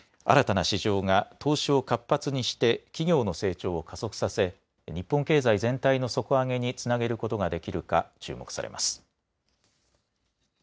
新たな市場が投資を活発にして企業の成長を加速させ日本経済全体の底上げにつなげることができるか注目されます。